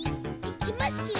いきますよ。